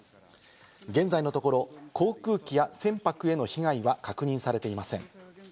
現在のところ、航空機や船舶への被害は確認されていません。